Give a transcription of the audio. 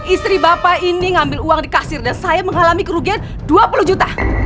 istri bapak ini ngambil uang di kasir dan saya mengalami kerugian dua puluh juta